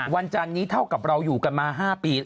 จันนี้เท่ากับเราอยู่กันมา๕ปี